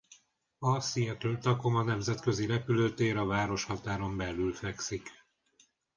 A Seattle–Tacoma nemzetközi repülőtér a városhatáron belül fekszik.